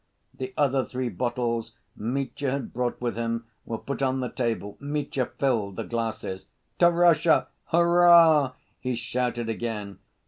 The other three bottles Mitya had brought with him were put on the table. Mitya filled the glasses. "To Russia! Hurrah!" he shouted again.